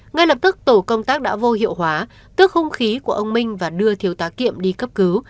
ngay lập tức tổ công tác đã vô hiệu hóa tước hung khí của ông minh và đưa thiếu tá kiệm đi cấp cứu